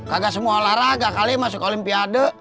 kagak semua olahraga kali masuk olimpiade